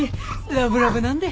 ラブラブなんで。